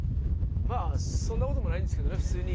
まあそんなこともないんですけどね普通に。